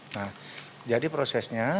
nah jadi prosesnya